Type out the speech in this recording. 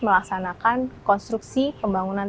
melaksanakan konstruksi pembangunan